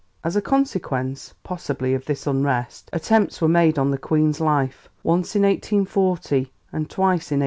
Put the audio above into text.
As a consequence, possibly, of this unrest, attempts were made on the Queen's life, once in 1840 and twice in 1841.